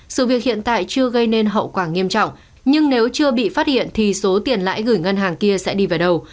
sự việc hiện tại chưa gây nên hậu quả nghiêm trọng nhưng nếu chưa bị phát hiện thì số tiền lãi gửi ngân hàng kia sẽ đi vào đầu